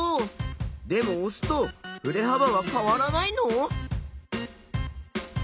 でも押すとふれ幅は変わらないの？